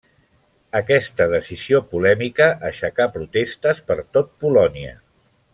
Aquesta decisió polèmica aixecà protestes per tot Polònia.